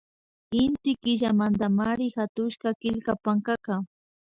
Inti Killamantamari hatushka killka pankaka